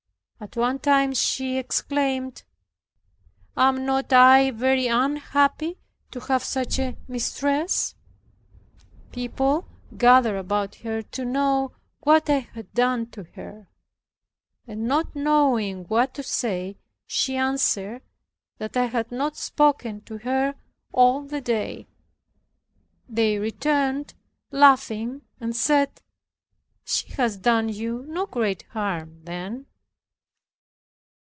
At one time she exclaimed, "Am not I very unhappy to have such a mistress?" People gathered about her to know what I had done to her; and not knowing what to say, she answered that I had not spoken to her all the day. They returned, laughing, and said, "She has done you no great harm then."